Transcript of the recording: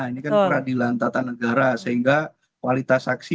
ini kan peradilan tata negara sehingga kualitas saksi